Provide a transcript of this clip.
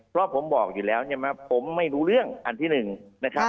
เพราะผมบอกอยู่แล้วเนี่ยผมไม่รู้เรื่องอันที่หนึ่งนะครับ